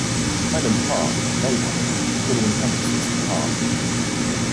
Highland Park, the neighborhood, fully encompasses the park.